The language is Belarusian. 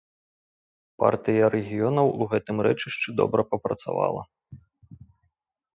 Партыя рэгіёнаў у гэтым рэчышчы добра папрацавала.